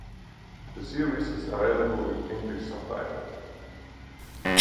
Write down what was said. The series is available with English subtitle.